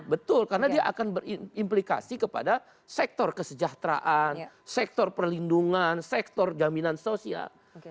betul karena dia akan berimplikasi kepada sektor kesejahteraan sektor perlindungan sektor jaminan sosial